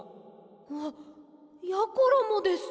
あっやころもです。